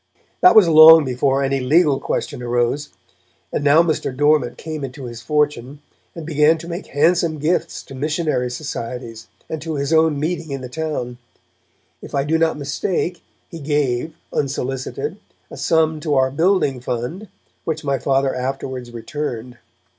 That was long before any legal question arose; and now Mr. Dormant came into his fortune, and began to make handsome gifts to missionary societies, and to his own meeting in the town. If I do not mistake, he gave, unsolicited, a sum to our building fund, which my Father afterwards returned.